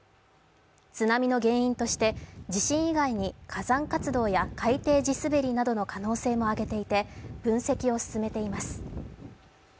津波の原因として、地震以外に火山活動や海底地滑りなどの可能性も挙げていて分析を進めています。